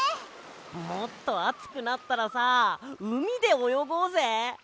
もっとあつくなったらさうみでおよごうぜ！